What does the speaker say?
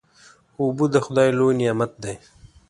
اوبه د خدای لوی نعمت دی.